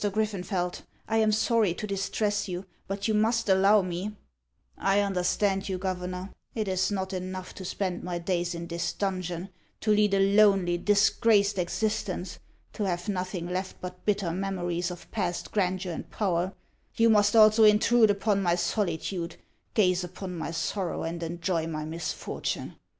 271 Griffenfeld, I am sorry to distress you, but you must allow me —"" I understand you, Governor ; it is not enough to spend my days in this dungeon, to lead a lonely, disgraced exist ence, to have nothing left but bitter memories of past grandeur and power, you must also intrude upon my solitude, gaze upon my sorrow, and enjoy my misfor tune.